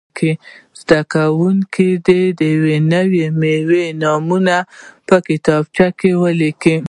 زده کوونکي دې د ونو او مېوو نومونه په کتابچه کې ولیکي.